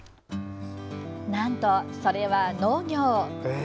なんと、それは農業。